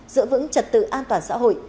giữ vững trật tự an toàn xã hội